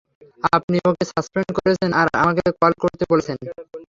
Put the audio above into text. আপনি ওকে সাসপেন্ড করেছেন আর আমাকে কল করতে বলছেন?